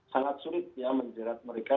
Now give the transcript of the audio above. sangat sulit menjerat mereka